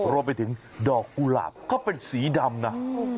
รวมไปถึงดอกกุหลาบก็เป็นสีดำนะ